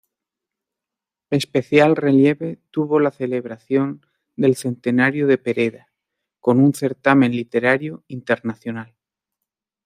Especial relieve tuvo la celebración del centenario de Pereda, con un certamen literario internacional.